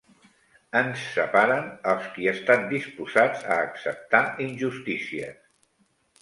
Ens separen els qui estan disposats a acceptar injustícies.